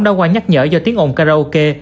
đã qua nhắc nhở do tiếng ồn karaoke